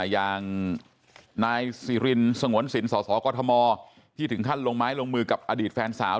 อย่างนายสิรินสงวนสินสสกมที่ถึงขั้นลงไม้ลงมือกับอดีตแฟนสาว